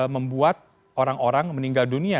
membuat orang orang meninggal dunia